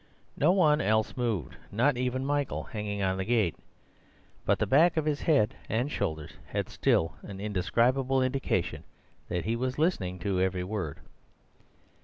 No one else moved, not even Michael hanging on the gate; but the back of his head and shoulders had still an indescribable indication that he was listening to every word.